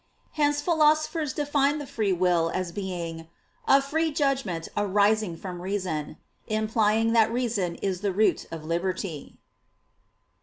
Hence philosophers define the free will as being "a free judgment arising from reason," implying that reason is the root of liberty.